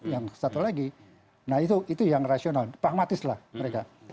yang satu lagi nah itu yang rasional pragmatis lah mereka